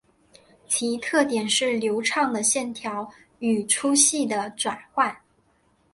其特点是流畅的线条与粗细的转换。